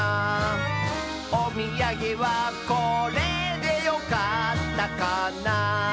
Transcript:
「おみやげはこれでよかったかな」